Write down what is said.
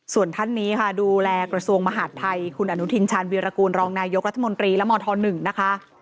ส่วนท่านนี้ค่ะดูแลกระทรวงมหาดไทยคุณอนุทินชาญวีรกูลรองนายกรัฐมนตรีและมธ๑นะคะ